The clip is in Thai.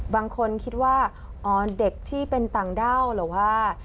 บางคนคิดว่าอ๋อเด็กที่เป็นต่างด้าวหรือว่า